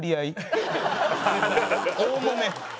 大もめ。